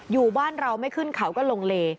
อยู่บ้านเราไม่ขึ้นเขาก็ลงเล